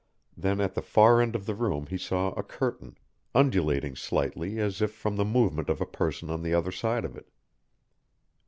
Then at the far end of the room he saw a curtain, undulating slightly as if from the movement of a person on the other side of it.